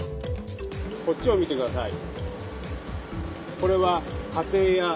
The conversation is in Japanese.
こっちを見てください。